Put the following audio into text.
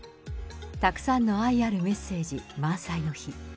たくさんの愛あるメッセージ、満載の日。